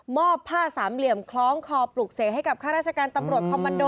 อบผ้าสามเหลี่ยมคล้องคอปลุกเสกให้กับข้าราชการตำรวจคอมมันโด